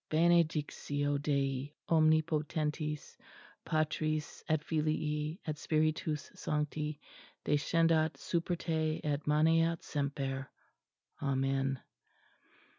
"_Benedictio Dei omnipotentis, Patris et Filii et Spiritus sancti, descendat super te et maneat semper. Amen.